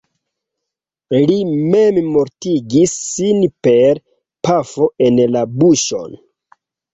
Li memmortigis sin per pafo en la buŝon.